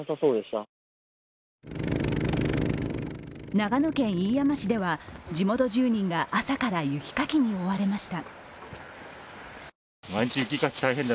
長野県飯山市では地元住民が朝から雪かきに追われました。